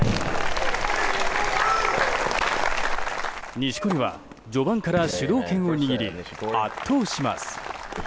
錦織は序盤から主導権を握り圧倒します。